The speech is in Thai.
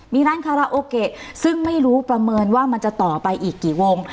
มีร้านซึ่งไม่รู้ประเมินว่ามันจะต่อไปอีกกี่วง